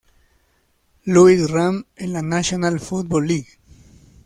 Louis Rams en la National Football League.